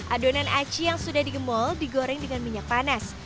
adonan aci yang sudah digemol digoreng dengan minyak panas